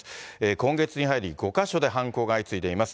今月に入り５カ所で犯行が相次いでいます。